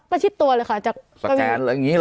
มันชิดตัวเลยค่ะจากสแกนอะไรอย่างงี้หรอ